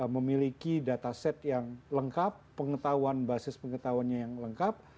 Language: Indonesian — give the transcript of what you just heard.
memiliki data set yang lengkap pengetahuan basis pengetahuannya yang lengkap